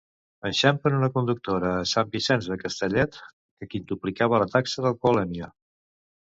Enxampen una conductora a Sant Vicenç de Castellet que quintuplicava la taxa d'alcoholèmia.